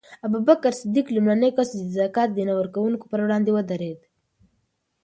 ابوبکر صدیق لومړنی کس و چې د زکات د نه ورکوونکو پر وړاندې ودرېد.